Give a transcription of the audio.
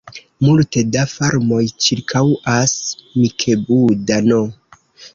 Multe da farmoj ĉirkaŭas Mikebuda-n.